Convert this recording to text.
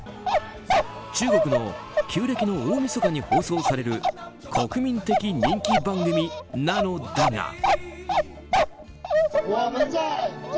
中国の旧暦の大みそかに放送される国民的人気番組なのだが。